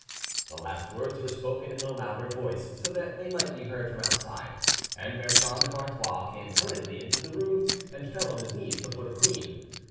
The last words were spoken in a louder voice, so that they might be heard from outside, and Bertrand of Artois came hurriedly into the room and fell on his knees before the queen.